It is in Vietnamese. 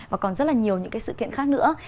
và còn rất là nhiều những cái sự kiện khác nữa